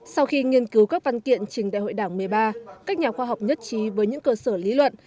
sau khi nghiên cứu các văn kiện trình đại hội đảng một mươi ba các nhà khoa học nhất trí với những cơ sở lý luận